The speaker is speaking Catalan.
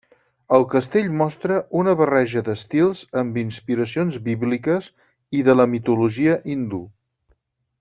El castell mostra una barreja d'estils amb inspiracions bíbliques i de la mitologia hindú.